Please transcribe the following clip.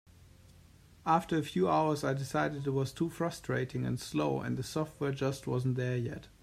After a few hours I decided it was too frustrating and slow, and the software just wasn't there yet.